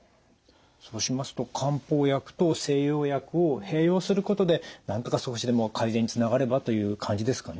そうしますと漢方薬と西洋薬を併用することでなんとか少しでも改善につながればという感じですかね。